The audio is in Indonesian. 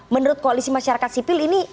menurut koalisi masyarakat sipil ini